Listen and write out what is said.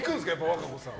和歌子さんは。